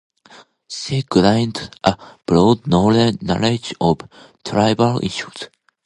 She gained a broad knowledge of tribal issues.